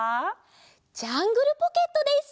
「ジャングルポケット」です。